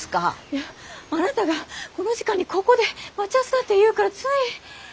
いやあなたがこの時間にここで待ち合わせだって言うからつい。